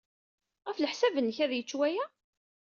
Ɣef leḥsab-nnek, ad yečč waya?